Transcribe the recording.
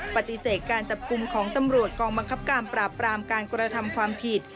ปฏิเสธการจับกลุ่มของตำรวจกองบังคับการปราบปรามการกระทำความผิด